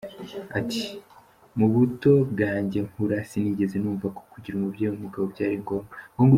Ati, “Mu buto bwanjye nkura, sinigeze numva ko kugira umubyeyi w’umugabo byari ngombwa”.